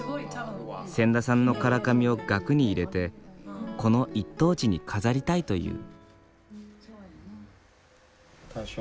千田さんの唐紙を額に入れてこの一等地に飾りたいという。